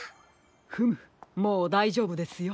フムもうだいじょうぶですよ。